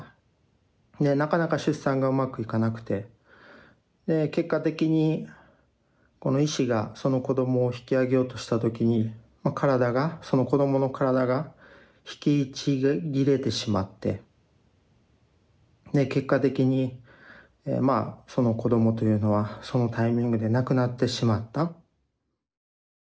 なかなか出産がうまくいかなくて結果的にこの医師がその子どもを引き上げようとした時に体がその子どもの体が引きちぎれてしまって結果的にその子どもというのはそのタイミングで亡くなってしまった。